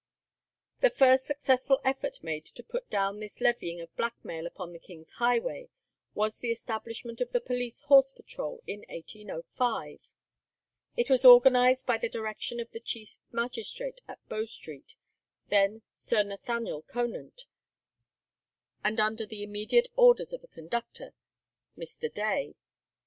The first successful effort made to put down this levying of blackmail upon the king's highway was the establishment of the police horse patrol in 1805. It was organized by the direction of the chief magistrate at Bow Street, then Sir Nathaniel Conant, and under the immediate orders of a conductor, Mr. Day.